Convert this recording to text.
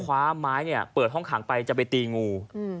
คว้าไม้เนี่ยเปิดห้องขังไปจะไปตีงู